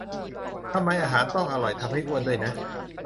ทำไมอาหารอร่อยต้องทำให้อ้วนด้วยนะ